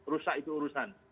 rusak itu urusan